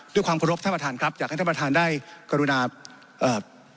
ด้วยความขอรบท่านประธานครับอยากให้ท่านประธานได้กรุณาเอ่อ